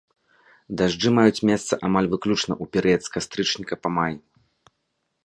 Дажджы маюць месца амаль выключна ў перыяд з кастрычніка па май.